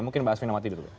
mungkin mbak asvina mati dulu